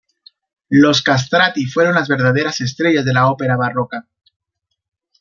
Los castrati fueron las verdaderas estrellas de la ópera barroca.